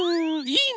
いいね。